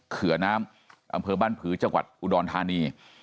เขือน้ำอำเภอบ้านผือจังหวัดอุดรธานี